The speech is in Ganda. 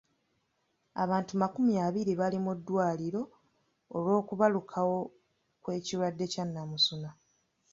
Abantu makumi abiri bali mu ddwaliro olw'okubalukawo kw'ekirwadde kya namusuna.